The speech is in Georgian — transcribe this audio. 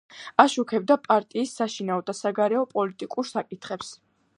აშუქებდა პარტიის საშინაო და საგარეო პოლიტიკურ საკითხებს.